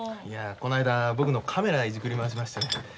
いやこの間僕のカメラいじくり回しましてね。